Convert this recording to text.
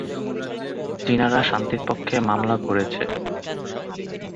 চীনারা শান্তির পক্ষে মামলা করেছে।